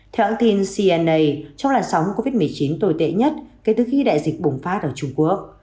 theo hãng tin cnna trong làn sóng covid một mươi chín tồi tệ nhất kể từ khi đại dịch bùng phát ở trung quốc